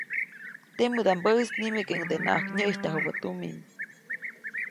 Temädaʼmbäʼis nimekeʼuŋdenaʼak nyäʼijtyajubä tumin.